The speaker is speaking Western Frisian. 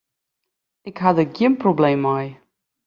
Ik ha der gjin probleem mei.